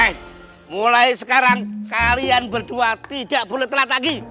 eh mulai sekarang kalian berdua tidak boleh telat lagi